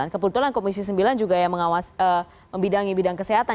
kebetulan komisi sembilan juga ya membidangi bidang kesehatan